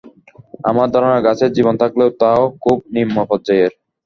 আমার ধারণা, গাছের জীবন থাকলেও তা খুব নিম্ন পর্যায়ের।